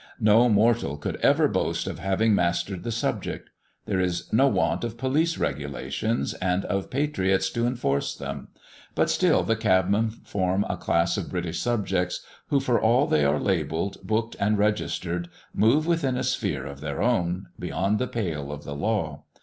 No mortal could ever boast of having mastered the subject. There is no want of police regulations, and of patriots to enforce them; but still the cabmen form a class of British subjects, who, for all they are labelled, booked, and registered, move within a sphere of their own, beyond the pale of the law.